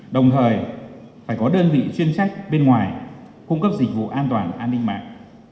đồng thời phải có đơn vị chuyên trách bên ngoài cung cấp dịch vụ an toàn an ninh mạng